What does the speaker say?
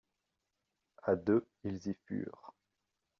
A deux, ils y furent.